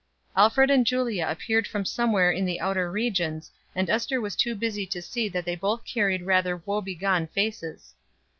Alfred and Julia appeared from somewhere in the outer regions, and Ester was too busy to see that they both carried rather woe begone faces.